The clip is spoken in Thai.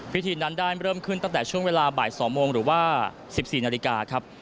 พิธีนั้นได้เริ่มขึ้นตั้งแต่ช่วงเวลาบ่าย๒โมงหรือว่า๑๔นาฬิกาครับ